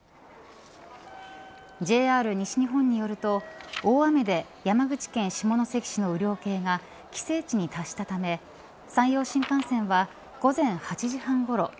ＪＲ西日本によると大雨で山口県下関市の雨量計が規制値に達したため山陽新幹線は午前８時半ごろ